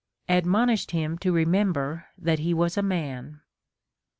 admonished him to remember that he was a man.